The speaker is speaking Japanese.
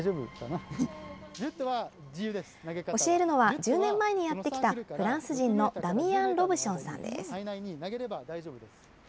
教えるのは、１０年前にやって来たフランス人のダミアン・ロブションさんです。